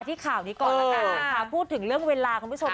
ที่ข่าวนี้ก่อนแล้วกันนะคะพูดถึงเรื่องเวลาคุณผู้ชม